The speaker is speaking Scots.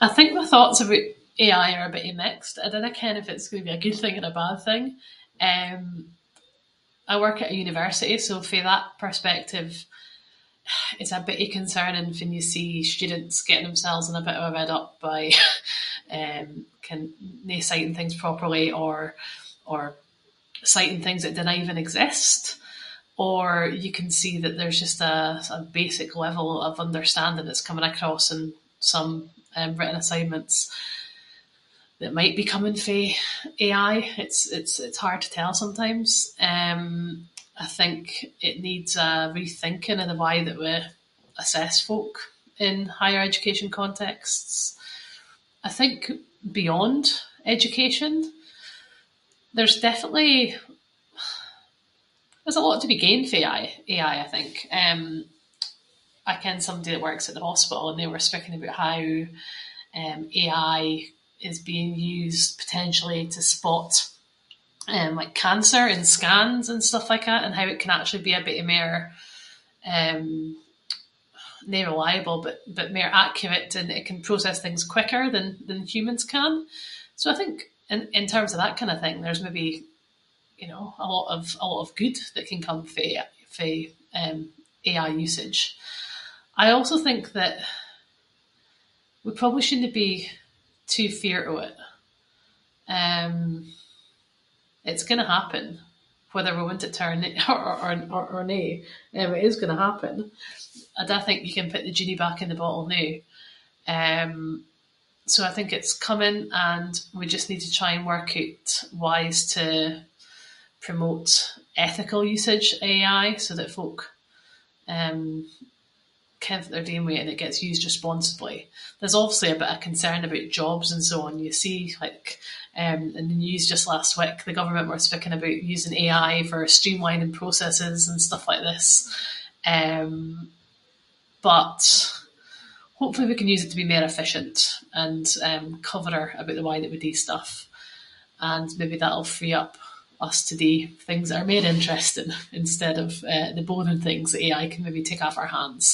I think my thoughts aboot AI are a bittie mixed. I dinna ken if it’s going to be a good thing or a bad thing. Eh, I work at a university so fae that perspective it’s a bittie concerning fann you see students getting themselves in a bit of a rid up by- ken no citing things properly or- or citing things that dinna even exist, or you can see that there’s just a basic level of understanding that’s coming across in some written assignments that might be coming fae AI. It’s- it’s- it’s hard to tell sometimes. Eh, I think it needs a rethinking of the way that we assess folk in higher education contexts. I think beyond education, there’s definitely- there’s a lot to be gained fae AI I think. Eh, I ken somebody that works at the hospital and they were speaking aboot how eh AI is being used potentially to spot, eh like cancer in scans and stuff like that, and how it can actually be a bittie mair eh, no reliable, but mair accurate and it can process things quicker than- than humans can. So I think in- in terms of that kind of thing, there’s maybe, you know, a lot of- a lot of good that can come fae A- fae- fae- AI usage. I also think that we probably shouldnae be too feart of it. Eh, it’s going to happen, whether we want it to or nich- or- or no. Eh, but it is going to happen. I dinna think you can put the genie back in the bottle noo. Eh, so I think it’s coming and we just need to try and work oot ways to promote ethical usage of AI, so that folk, eh, ken fitt they’re doing with it, and it get’s used responsibly. There’s obviously a bit of concerns about jobs and so on. You see like, eh, in the news just last week the government were speaking about using AI for streamlining processes and stuff like this. Eh, but hopefully we can use it to be mair efficient and cleverer about the way that we do stuff. And maybe that’ll free up us to do things that are mair interesting, instead of the boring things that AI can maybe take off our hands.